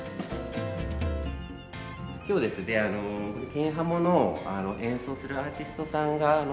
今日ですねケンハモの演奏するアーティストさんがちょうど。